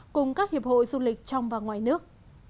cùng các hiệp hội du lịch trong và ngoài nước